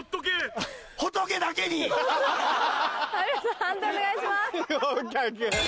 判定お願いします。